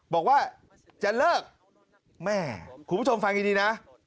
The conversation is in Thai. บอกว่าจะเลิกแม่คุณผู้ชมฟังดีนะ